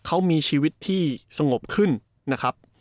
เขามีชีวิตที่สงบขึ้นนะครับ